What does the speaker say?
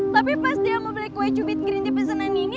tapi pas dia mau beli kue cubit green di pesenan ini